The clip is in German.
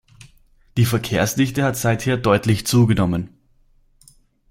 Die Verkehrsdichte hat seither deutlich zugenommen.